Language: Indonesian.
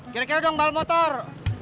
kira kira dong bal motor